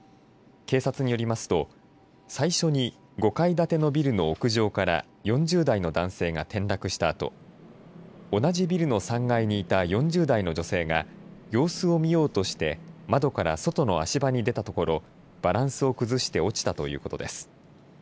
警察によりますと最初に５階建てのビルの屋上から４０代の男性が転落したあと同じビルの３階にいた４０代の女性が様子を見ようとして窓から外の足場に出たところバランスを崩して落ちたということです。